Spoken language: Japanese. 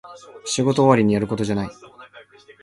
仕事終わりにやることじゃない